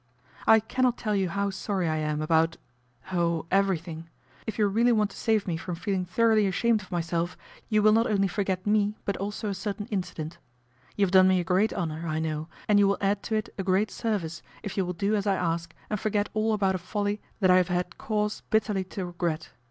" I cannot tell you how sorry I am about oh, everything ! If you really want to save me A BOMBSHELL 171 from feeling thoroughly ashamed of myself you will not only forget me, but also a certain incident. " You have done me a great honour, I know, and you will add to it a great service if you will do as I ask and forget all about a folly that I have had cause bitterly to regret.